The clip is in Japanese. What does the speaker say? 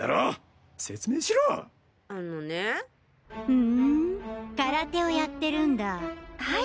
フン空手をやってるんだハイ。